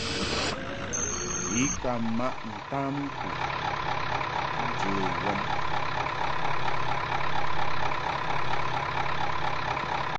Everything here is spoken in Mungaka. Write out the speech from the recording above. I ka maʼ ntamku njə wɔm.